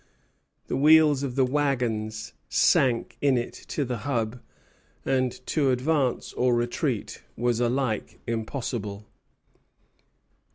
The wheels of the wagons sank in it to the hub, and to advance or retreat was alike impossible.